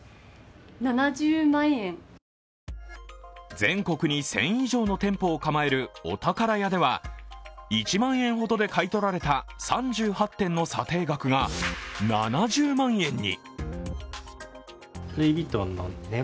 全国に１０００以上の店舗を構える、おたからやでは１万円ほどで買い取られた３８点の査定額が７０万円に。